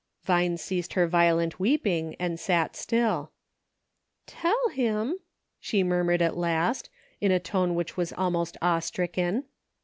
" Vine ceased her violent weeping and sat still, " Tell Him !" she murmured at last, in a tone which was almost awe stricken.